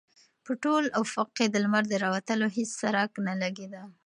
په ټول افق کې د لمر د راوتلو هېڅ څرک نه لګېده.